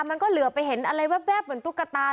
มันก็เหลือไปเห็นอะไรแวบเหมือนตุ๊กตา